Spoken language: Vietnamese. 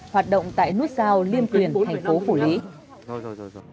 hoạt động tại nút giao liêm quyền thành phố phủ lý